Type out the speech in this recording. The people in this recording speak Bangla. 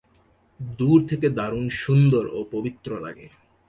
দূর থেকে দারুণ সুন্দর ও পবিত্র লাগে।